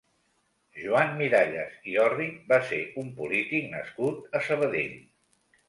Joan Miralles i Orrit va ser un polític nascut a Sabadell.